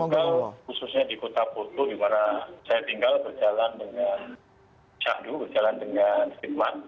khususnya di kota porto di mana saya tinggal berjalan dengan syahdu berjalan dengan fitmat